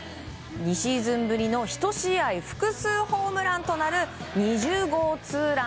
２シーズンぶりの１試合複数ホームランとなる２０号ツーラン